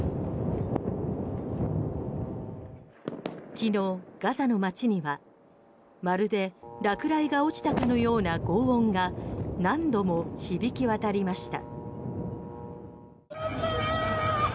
昨日、ガザの町にはまるで落雷が落ちたかのような轟音が何度も響き渡りました。